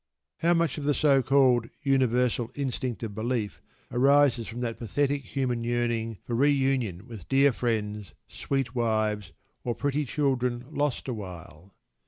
How much of the so called "universal instinct of belief" arises from that pathetic human yearning for reunion with dear friends, sweet wives, or pretty children "lost awhile"?